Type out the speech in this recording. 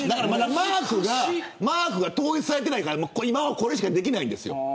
マークが統一されていないから今はこれしかできないんです。